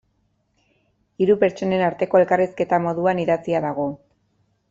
Hiru pertsonen arteko elkarrizketa moduan idatzita dago.